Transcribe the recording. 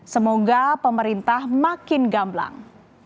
semoga pemerintah makin gamblang